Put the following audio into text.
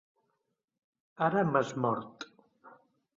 Ara m'has mort!